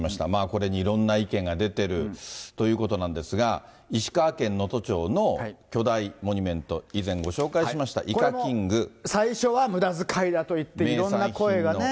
これにいろんな意見が出てるということなんですが、石川県能登町の巨大モニュメント、以前ご紹介しました、最初はむだづかいだといって、いろんな声がね。